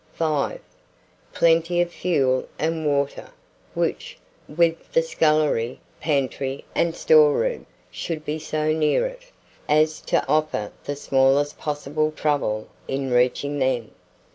5. Plenty of fuel and water, which, with the scullery, pantry, and storeroom, should be so near it, as to offer the smallest possible trouble in reaching them.